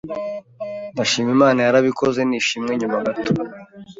Ndashima Imana yarabikoze nishimwe nyuma gato